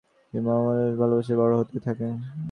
তিনি মাতামহের স্নেহ-ভালোবাসায় বড় হতে থাকেন।